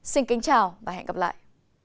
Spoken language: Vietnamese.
xin kính chào và hẹn gặp lại